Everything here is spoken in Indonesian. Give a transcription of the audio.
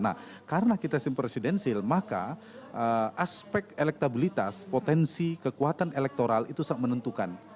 nah karena kita simp presidensil maka aspek elektabilitas potensi kekuatan elektoral itu sangat menentukan